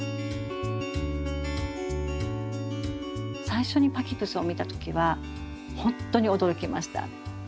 最初にパキプスを見た時はほんとに驚きました。